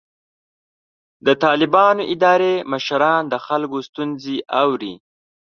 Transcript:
د طالبانو اداري مشران د خلکو ستونزې اوري.